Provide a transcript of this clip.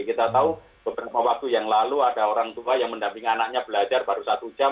kita tahu beberapa waktu yang lalu ada orang tua yang mendampingi anaknya belajar baru satu jam